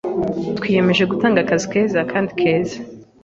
Twiyemeje gutanga akazi keza kandi keza.